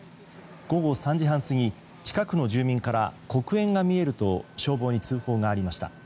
午後３時半過ぎ近くの住民から黒煙が見えると消防に通報がありました。